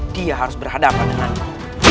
dia harus berhadapan denganku